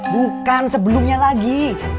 bukan sebelumnya lagi